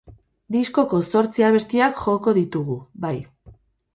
Diskoko zortzi abestiak joko ditugu, bai.